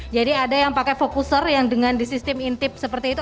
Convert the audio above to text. jadi ada yang pakai fokuser yang dengan di sistem intip seperti itu